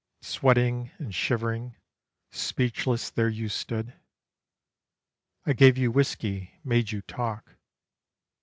Sweating and shivering, speechless, there you stood. I gave you whisky, made you talk.